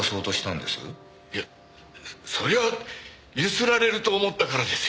いやそりゃゆすられると思ったからですよ。